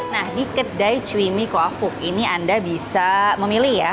nah di kedai cui mie kuafuk ini anda bisa memilih ya